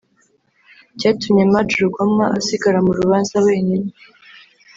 cyatumye Maj Rugomwa asigara mu rubanza wenyine